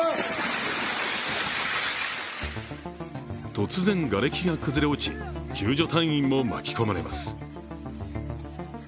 突然がれきが崩れ落ち救助隊員も巻き込まれます。